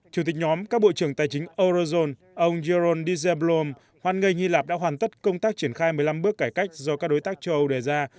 chủ tịch nhóm các bộ trưởng tài chính eurozone ông yeron dzebloom hoan nghênh hy lạp đã hoàn tất công tác triển khai một mươi năm bước cải cách do các đối tác châu âu đề ra